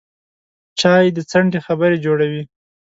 چای د څنډې خبرې جوړوي